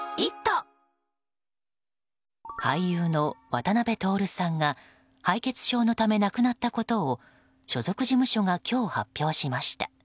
俳優の渡辺徹さんが敗血症のため亡くなったことを所属事務所が今日、発表しました。